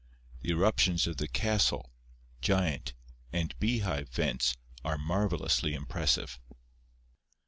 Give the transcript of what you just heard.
The eruptions of the 'Castle/ 'Giant/ and 'Beehive' vents are marvelously impressive.